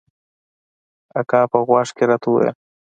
اکا په غوږ کښې راته وويل.